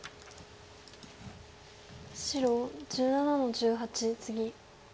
白１７の十八ツギ。